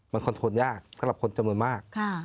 มันคอนโทนยากด้านหลับคนเกมอแบบมาก